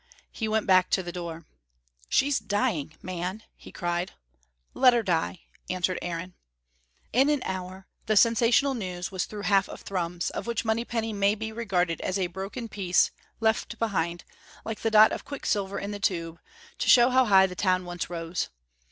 He went back to the door. "She's dying, man!" he cried. "Let her die!" answered Aaron. In an hour the sensational news was through half of Thrums, of which Monypenny may be regarded as a broken piece, left behind, like the dot of quicksilver in the tube, to show how high the town once rose.